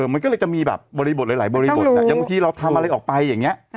มันก็เลยจะมีแบบบริบทหลาย